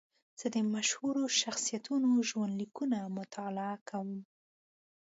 زه د مشهورو شخصیتونو ژوند لیکونه مطالعه کوم.